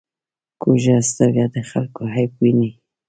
کوږه سترګه د خلکو عیب ویني